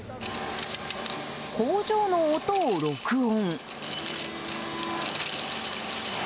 工場の音を録音。